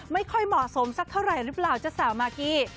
ไม่ค่อยเหมาะสมสักเท่าไหร่หรือเปล่าจ๊ะสาวมากกี้